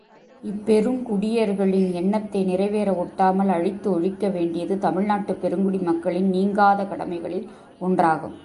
இப்பெருங் குடியர்களின் எண்ணத்தை நிறை வேறவொட்டாமல் அழித்து ஒழிக்கவேண்டியது, தமிழ் நாட்டுப் பெருங்குடி மக்களின் நீங்காத கடமைகளில் ஒன்றாகும்.